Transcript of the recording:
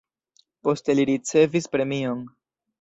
Poste li ricevis premion.